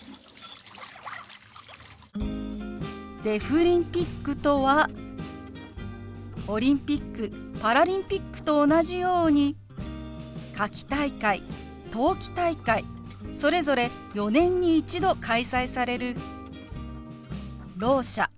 「デフリンピック」とはオリンピックパラリンピックと同じように夏季大会冬季大会それぞれ４年に一度開催されるろう者